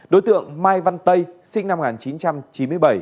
đối tượng mai văn tây sinh năm một nghìn chín trăm chín mươi bảy